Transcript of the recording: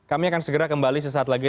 kami akan segera kembali sesaat lagi